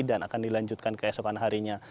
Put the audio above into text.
dan akan dilanjutkan ke esokan harinya